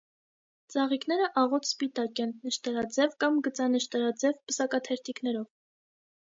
Ծաղիկները աղոտ սպիտակ են, նշտարաձև կամ գծանշտարաձև պսակաթերթիկներով։